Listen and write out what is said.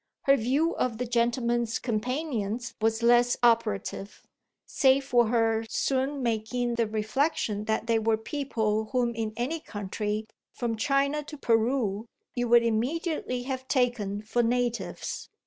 Her view of the gentleman's companions was less operative, save for her soon making the reflexion that they were people whom in any country, from China to Peru, you would immediately have taken for natives.